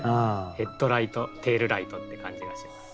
ヘッドライトテールライトって感じがします。